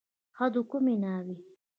ښه د کومې ناوې.